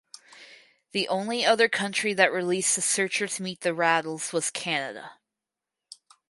The only other country that released "The Searchers Meet The Rattles" was Canada.